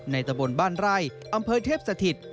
ตะบนบ้านไร่อำเภอเทพสถิต